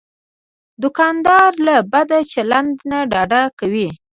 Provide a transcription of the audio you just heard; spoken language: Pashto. دوکاندار له بد چلند نه ډډه کوي.